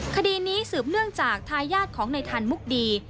คดีนี้สืบเนื่องจากทายาทของในทันมุกดี